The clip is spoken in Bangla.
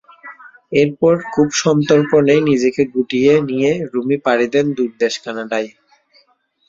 এরপর খুব সন্তর্পণেই নিজেকে গুটিয়ে নিয়ে রুমি পাড়ি দেন দূরদেশ কানাডায়।